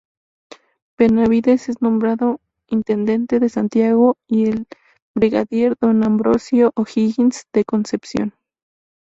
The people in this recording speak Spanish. Benavides es nombrado intendente de Santiago, y el brigadier don Ambrosio O'Higgins, de Concepción.